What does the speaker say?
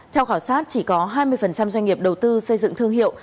theo khảo sát chỉ có hai mươi doanh nghiệp đầu tư xây dựng thương hiệu